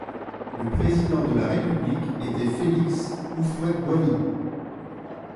Le Président de la République était Félix Houphouët-Boigny.